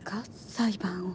裁判を。